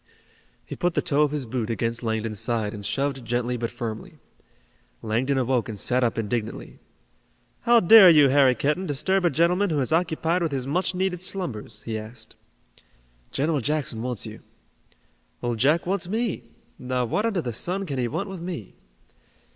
He put the toe of his boot against Langdon's side and shoved gently but firmly. Langdon awoke and sat up indignantly. "How dare you, Harry Kenton, disturb a gentleman who is occupied with his much needed slumbers?" he asked. "General Jackson wants you." "Old Jack wants me! Now, what under the sun can he want with me?"